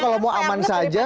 kalau mau aman saja